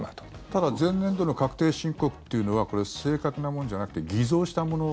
ただ前年度の確定申告というのは正確なものじゃなくて偽造したもの。